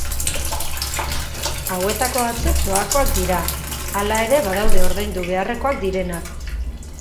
Hauetako batzuk doakoa dira, hala ere badaude ordaindu beharrekoak direnak.